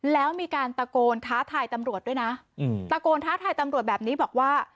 แล้วมีการตะโกนท้าทายตำรวจด้วยนะตะโกนท้าทายตำรวจแบบนี้บอกว่า